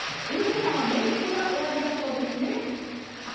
ウルヴェさんは面識がおありだそうですね。